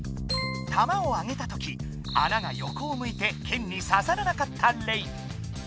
玉をあげたとき穴が横を向いてけんにささらなかったレイ。